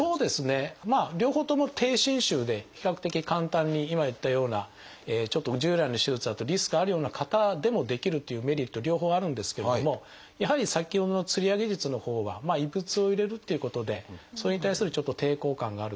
まあ両方とも低侵襲で比較的簡単に今言ったようなちょっと従来の手術だとリスクあるような方でもできるっていうメリット両方あるんですけどもやはり先ほどの吊り上げ術のほうは異物を入れるっていうことでそれに対するちょっと抵抗感がある方